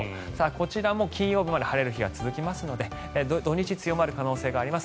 こちらも金曜日まで晴れる日が続きますので土日強まる可能性があります。